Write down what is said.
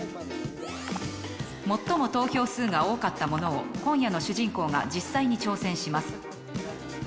最も投票数が多かったものを今夜の主人公が実際に挑戦します。